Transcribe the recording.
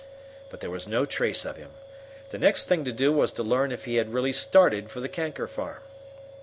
But there was no trace of him. The next thing to do was to learn if he had really started for the Kanker farm.